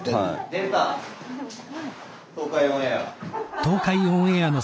東海オンエア。